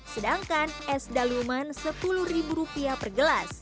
sedangkan es daluman sepuluh rupiah per gelas